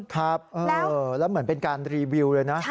ครับแล้วเหมือนเป็นการรีวิวเลยนะ